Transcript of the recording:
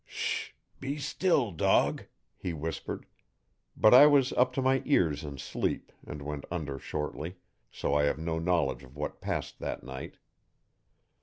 'Sh h h! be still, dog,' he whispered; but I was up to my ears in sleep and went under shortly, so I have no knowledge of what passed that night.